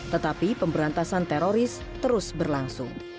tetapi pemberantasan teroris terus berlangsung